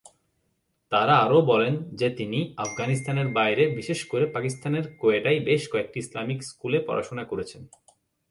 তারা আরও বলে যে তিনি আফগানিস্তানের বাইরে বিশেষ করে পাকিস্তানের কোয়েটায় বেশ কয়েকটি ইসলামিক স্কুলে পড়াশোনা করেছেন।